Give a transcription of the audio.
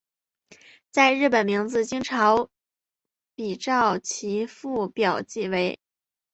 在日本名字经常比照其父表记为。